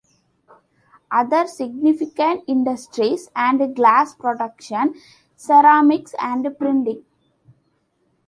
Other significant industries are glass production, ceramics and printing.